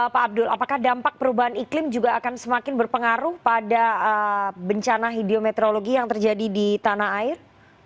pak abdul apakah dampak perubahan iklim juga akan semakin berpengaruh pada bencana hidrometeorologi yang terjadi di tanah air